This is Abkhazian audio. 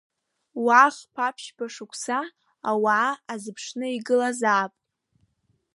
Уа хԥа-ԥшьба шықәса ауаа азыԥшны игылазаап.